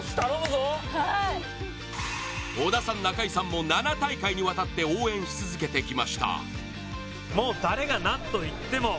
織田さん、中井さんも７大会にわたって応援し続けてきました。